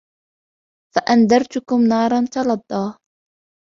فأنذرتكم نارا تلظى